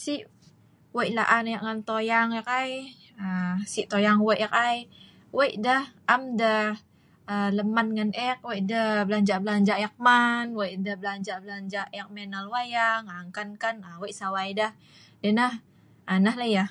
Si wei' laan ek ngan toyang ek ai, aaa si toyang wei' ek ai, wei' deh am deh leman ngan ek, wei' deh belaja'-belaja' ek man, wei' deh belaja'- belaja' ek mai nal wayang, aa engkan-engkan wei' sawaideh, aa nonohlah yah